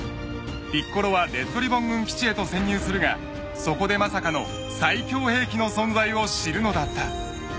［ピッコロはレッドリボン軍基地へと潜入するがそこでまさかの最凶兵器の存在を知るのだった］